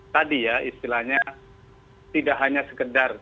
tadi ya istilahnya tidak hanya sekedar